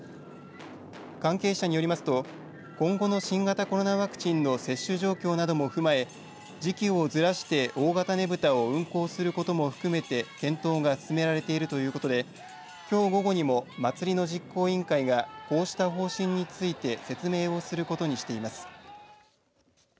関係者によりますと今後の新型コロナワクチンの接種状況なども踏まえ時期をずらして大型ねぶたを運行することも含めて検討が進められているということできょう午後にも祭りの実行委員会がこうした方針について説明をすることにしています。